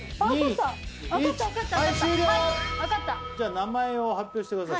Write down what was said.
名前を発表してください